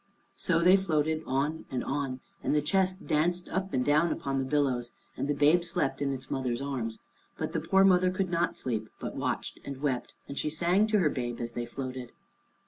So they floated on and on, and the chest danced up and down upon the billows, and the babe slept in its mother's arms. But the poor mother could not sleep, but watched and wept, and she sang to her babe as they floated.